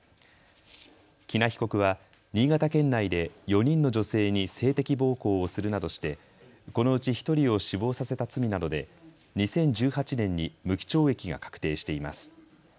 喜納被告は新潟県内で４人の女性に性的暴行をするなどしてこのうち１人を死亡させた罪などで２０１８年に無期懲役が確定しています。